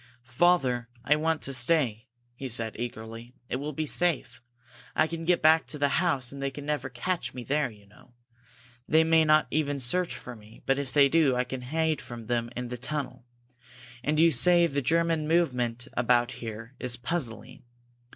"Father, I want to stay!" he said, eagerly. "It will be safe. I can get back to the house and they can never catch me there, you know! They may not even search for me, but if they do, I can hide from them in the tunnel. And you say the German movement about here is puzzling.